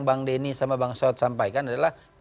bang denny dan bang syaud sampaikan adalah